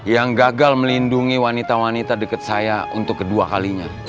yang gagal melindungi wanita wanita dekat saya untuk kedua kalinya